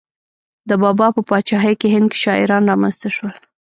د بابا په پاچاهۍ کې هند کې شاعران را منځته شول.